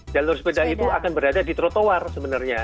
jalur sepeda itu akan berada di trotoar sebenarnya